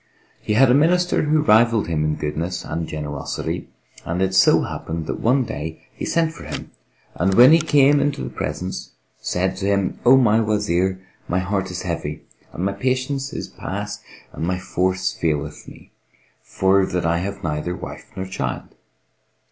He had a Minister who rivalled him in goodness and generosity and it so happened that one day, he sent for him and when he came into the presence said to him, "O my Wazir, my heart is heavy and my patience is past and my force faileth me, for that I have neither wife nor child.